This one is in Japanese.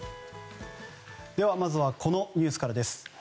では、まずはこのニュースからです。